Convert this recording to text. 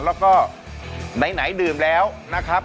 แล้วก็ไหนดื่มแล้วนะครับ